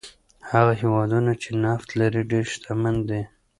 هغه هېوادونه چې نفت لري ډېر شتمن دي.